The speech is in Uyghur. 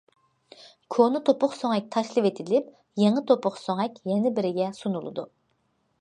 كونا توپۇق سۆڭەك تاشلىۋېتىلىپ يېڭى توپۇق سۆڭەك يەنە بىرىگە سۇنۇلىدۇ.